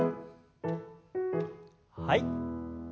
はい。